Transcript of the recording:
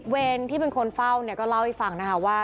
เวนที่เป็นคนเฝ้าเนี่ยก็เล่าให้ฝากนะครับว่า